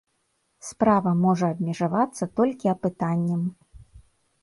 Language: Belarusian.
Справа можа абмежавацца толькі апытаннем.